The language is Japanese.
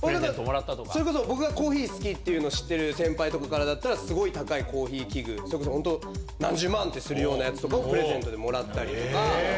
それこそ、僕がコーヒー好きって知ってる先輩とかだったら、すごい高いコーヒー器具、それこそ本当、何十万とするようなものをプレゼントでもらったりとか。